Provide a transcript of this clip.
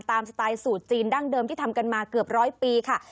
สไตล์สูตรจีนดั้งเดิมที่ทำกันมาเกือบร้อยปีค่ะ